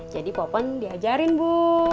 jadi popon diajarin bu